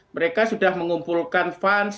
mereka sudah mengumpulkan fans